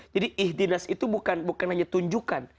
jadi ih dinas itu bukan hanya tunjukkan